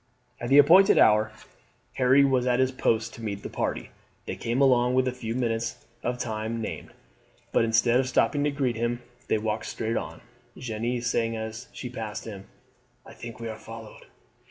At the appointed hour Harry was at his post to meet the party. They came along within a few minutes of the time named, but instead of stopping to greet him they walked straight on, Jeanne saying as she passed him: "I think we are followed."